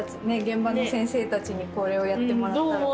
現場の先生たちにこれをやってもらったら。